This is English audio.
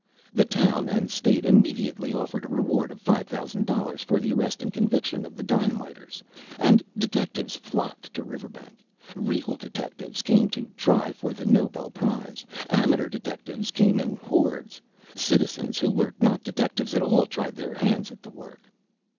The town and State immediately offered a reward of five thousand dollars for the arrest and conviction of the dynamiters, and detectives flocked to Riverbank. Real detectives came to try for the noble prize. Amateur detectives came in hordes. Citizens who were not detectives at all tried their hands at the work.